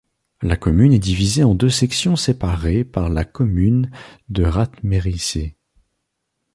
La commune est divisée en deux sections séparées par la commune de Ratměřice.